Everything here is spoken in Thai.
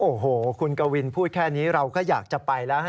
โอ้โหคุณกวินพูดแค่นี้เราก็อยากจะไปแล้ว